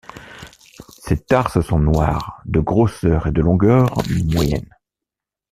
Ses tarses sont noirs, de grosseur et de longueur moyenne.